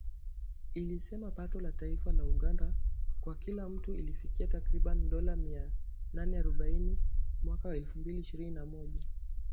Ilisema pato la taifa la Uganda kwa kila mtu lilifikia takriban dola mia nane arobaini mwaka wa elfu mbili ishirini na moja